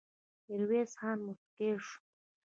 ميرويس خان موسک شو.